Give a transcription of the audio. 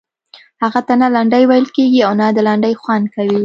هغه ته نه لنډۍ ویل کیږي او نه د لنډۍ خوند کوي.